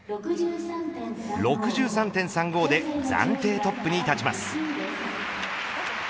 ６３．３５で暫定トップに立ちます。